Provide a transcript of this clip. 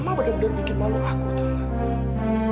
mama benar benar bikin malu aku tuhan